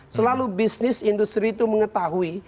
selalu bisnis industri itu mengetahui